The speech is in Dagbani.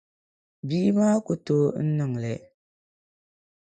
Bia maa ku tooi n niŋli.